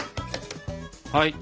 はい！